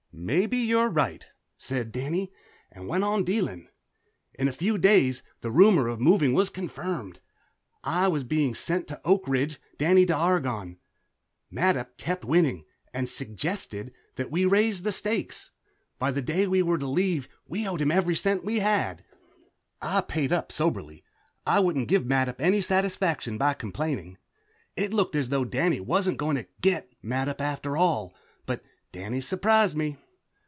"Maybe you're right," said Danny, and went on dealing. In a few days the rumor of moving was confirmed; I was being sent to Oak Ridge, Danny to Argonne. Mattup kept winning, and "suggested" that we raise the stakes. By the day that we were to leave we owed him every cent we had. I paid up soberly; I wouldn't give Mattup any satisfaction by complaining. It looked as though Danny wasn't going to "get" Mattup after all. But Danny surprised me.